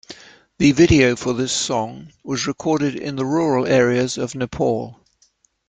The video for this song was recorded in the rural areas of Nepal.